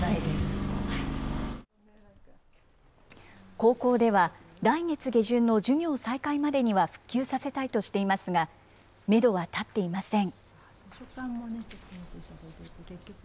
高校では、来月下旬の授業再開までには復旧させたいとしていますが、メドは立っていません。